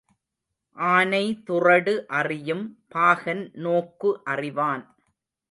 ஆனை துறடு அறியும் பாகன் நோக்கு அறிவான்.